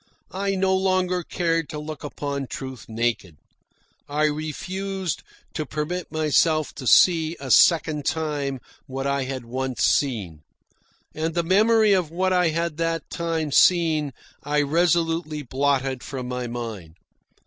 I no longer cared to look upon Truth naked. I refused to permit myself to see a second time what I had once seen. And the memory of what I had that time seen I resolutely blotted from my mind.